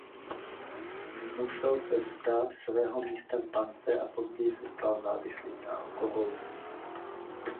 Musel se vzdát svého místa v bance a později se stal závislým na alkoholu.